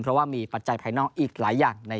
เพราะว่ามีปัจจัยภายนอกอีกหลายอย่าง